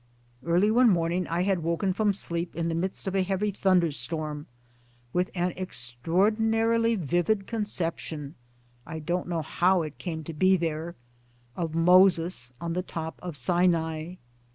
Early one morning I had woken from sleep in the midst of a heavy thunderstorm, with an extraordinarily vivid conception (I don't know how it came to be there) of Moses on the top of Sinai.